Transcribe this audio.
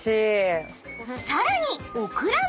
［さらに］